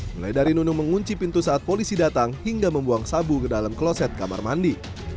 mulai dari nunung mengunci pintu saat polisi datang hingga membuang sabu ke dalam kloset kamar mandi